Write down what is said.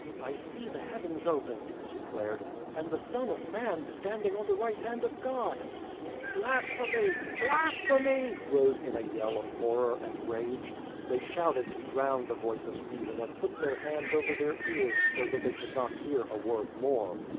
" I see the Heavens opened," he declared, " and the Son of Man standing on the right hand of God." " Blasphemy, blasphemy! " rose in a yell of horror and rage. They shouted to drown the voice of Stephen and put their hands over their ears so that they should not hear a word more.